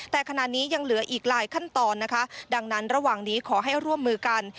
แต่ขณะนี้ยังเหลืออีกหลายขั้นตอนนะคะดังนั้นระหว่างนี้ขอให้ร่วมมือกัน